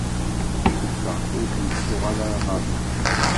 Cukkeɣ ur d-yettuɣal ara maḍi.